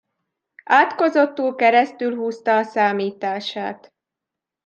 Átkozottul keresztülhúzta a számítását.